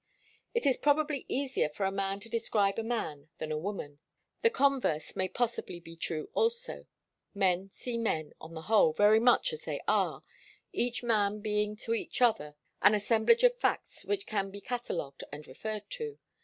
It is probably easier for a man to describe a man than a woman. The converse may possibly be true also. Men see men, on the whole, very much as they are, each man being to each other an assemblage of facts which can be catalogued and referred to.